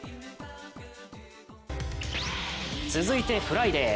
続いてフライデー。